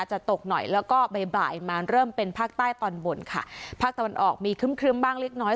จะตกหน่อยแล้วก็บ่ายบ่ายมาเริ่มเป็นภาคใต้ตอนบนค่ะภาคตะวันออกมีครึ้มบ้างเล็กน้อย